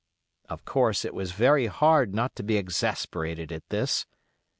Of course it was very hard not to be exasperated at this.